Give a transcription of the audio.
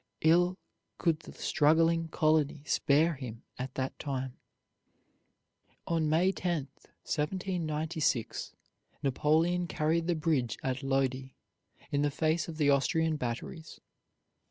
Ill could the struggling colony spare him at that time. On May 10, 1796, Napoleon carried the bridge at Lodi, in the face of the Austrian batteries.